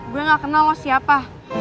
gue gak kenal loh siapa